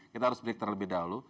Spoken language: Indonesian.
kita harus beritahu lebih dahulu